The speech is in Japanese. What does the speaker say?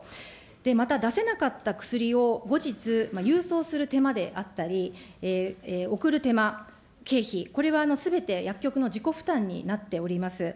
また出せなかった薬を後日、郵送する手間であったり、送る手間、経費、これはすべて薬局の自己負担になっております。